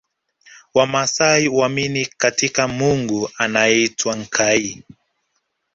Wamasai huamini katika Mungu anayeitwa Nkai